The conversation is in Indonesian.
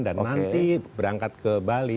dan nanti berangkat ke bali